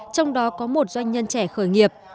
trong đó có một doanh nhân trẻ khởi nghiệp